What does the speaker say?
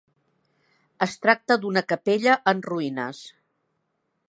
Es tracta d'una capella en ruïnes.